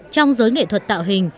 trong giới nghệ thuật tạng